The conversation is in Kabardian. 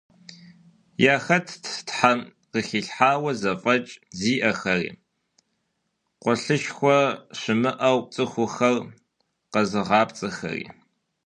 Яхэтт Тхьэм къыхилъхьауэ зэфӏэкӏ зиӏэхэри, къуэлъышхуэ щымыӏэу цӏыхухэр къэзыгъапцӏэхэри.